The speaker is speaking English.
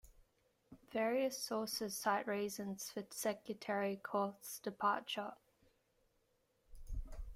Various sources cite reasons for Secretary Korth's departure.